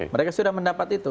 mereka sudah mendapat itu